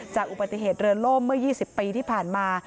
อุบัติเหตุเรือล่มเมื่อ๒๐ปีที่ผ่านมา